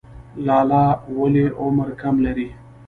لاله ولې عمر کم لري؟